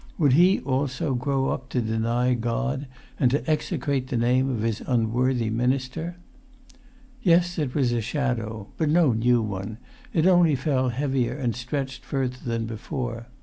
Would he also grow up to deny God, and to execrate the name of his unworthy minister? Yes, it was a shadow; but no new one; it only fell heavier and stretched further than before.